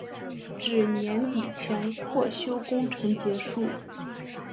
至年底前扩修工程结束。